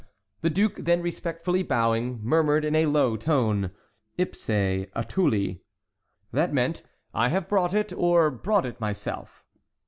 The duke, then respectfully bowing, murmured in a low tone, "Ipse attuli." That meant: "I have brought it, or brought it myself."